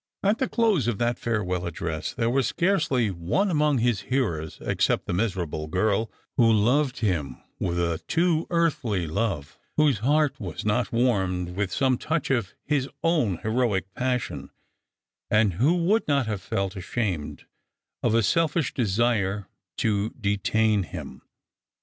At the close of that farewell address, there was scarcely one among his hearers, except the miserable girl who loved him with a too earthly love, whose heart was not warmed with some touch of his own heroic passion, and who would not have felt ashamed of a selfish desire to detain him.